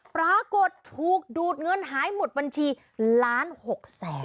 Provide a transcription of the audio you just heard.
ปรากฏถูกดูดเงินหายหมดบัญชีล้าน๖แสน